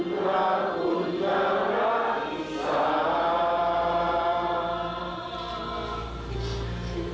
ชาติสงสัยชาติสงสัย